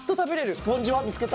スポンジは見つけた？